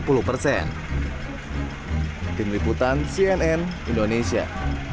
seluruh jalan raya neg encouragement plenum barat yogyakarta yg telah s yeah